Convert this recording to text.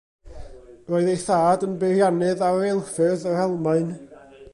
Roedd ei thad yn beiriannydd ar reilffyrdd yr Almaen.